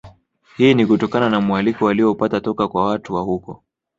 Hii ni kutokana na mualiko walioupata toka kwa watu wa huko